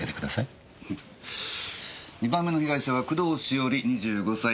２番目の被害者は工藤しおり２５歳。